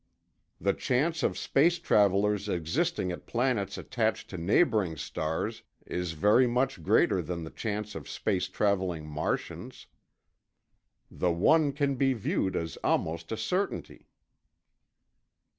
. the chance of space travelers existing at planets attached to neighboring stars is very much greater than the chance of space traveling Martians. The one can be viewed as almost a certainty